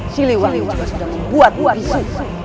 siliwang itu sudah membuatku bisu